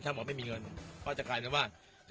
ถ้าหมอไม่มีเงินก็จะกลายเป็นว่า